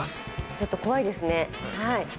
ちょっと怖いですね。